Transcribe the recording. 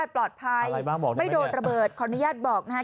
ปลอดภัยไม่โดนระเบิดขออนุญาตบอกนะฮะ